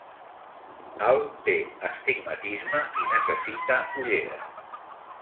Hal, té astigmatisme i necessita ulleres.